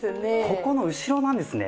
ここの後ろなんですね。